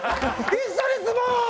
一緒に住もう！